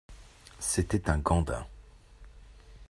C’était un gandin…